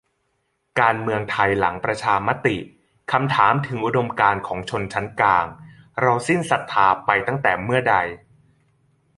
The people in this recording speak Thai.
การเมืองไทยหลังประชามติ คำถามถึงอุดมการณ์ของชนชั้นกลาง เราสิ้นศรัทธาไปตั้งแต่เมื่อใด ?